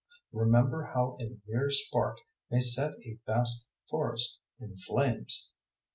Remember how a mere spark may set a vast forest in flames.